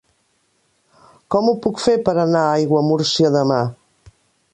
Com ho puc fer per anar a Aiguamúrcia demà?